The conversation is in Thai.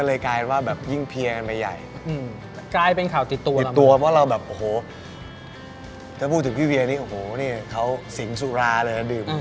รู้ที่พี่เวียนที่โอ๊ยนี่เขาสิงสุราเลยนะ